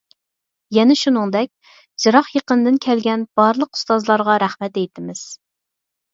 يەنە شۇنىڭدەك، يىراق-يېقىندىن كەلگەن بارلىق ئۇستازلارغا رەھمەت ئېيتىمىز.